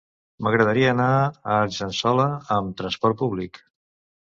M'agradaria anar a Argençola amb trasport públic.